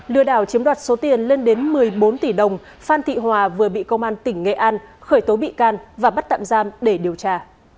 lừa đảo chiếm đoạt số tiền lên đến một mươi bốn tỷ đồng phan thị hòa vừa bị công an tỉnh nghệ an khởi tố bị can và bắt tạm giam để điều tra